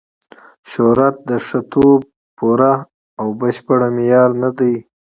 شهرت د ښه توب پوره او بشپړ معیار نه دی.